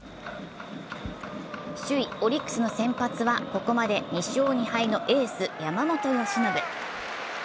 首位・オリックスの先発はここまで２勝２敗のエース・山本由伸。